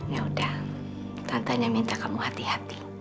yaudah tantanya minta kamu hati hati